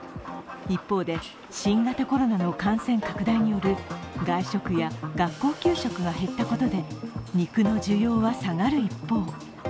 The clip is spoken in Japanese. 一方で、新型コロナの感染拡大による外食や学校給食が減ったことで肉の需要は下がる一方。